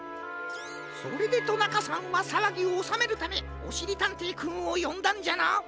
それでとなかさんはさわぎをおさめるためおしりたんていくんをよんだんじゃな。